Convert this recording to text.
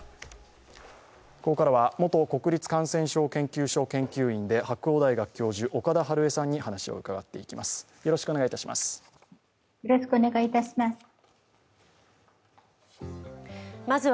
ここからは元国立感染症研究所研究員で白鴎大学教授、岡田晴恵さんに話を伺っていきます。